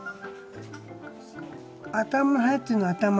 頭入ってるの頭に。